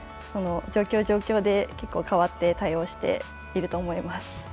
状況、状況で結構変わって対応していると思います。